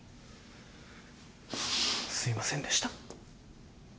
すいませんでした。